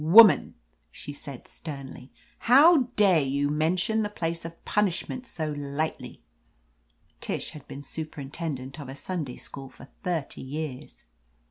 "Woman," she said sternly, "how dare you mention the place of punishment so lightly!" Tish had been superintendent of a Sunday school for thirty years.